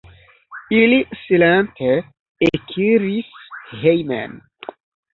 Ili silente ekiris hejmen.